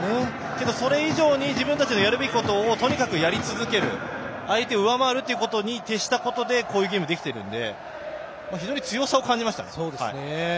それ以上に自分たちのやることをとにかくやり続ける相手を上回るということに徹したことでこういうゲームができているので非常に強さを感じました。